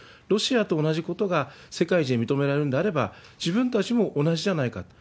ロシアと同じことが世界で認められるんであれば、自分たちも同じじゃないか。